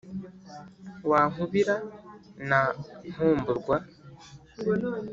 wa nkubira na nkumburwa,